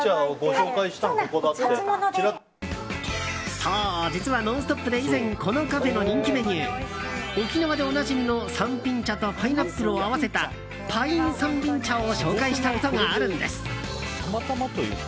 そう、実は「ノンストップ！」で以前このカフェの人気メニュー沖縄でおなじみの、さんぴん茶とパイナップルを合わせたパインさんぴん茶を紹介したことがあるんです。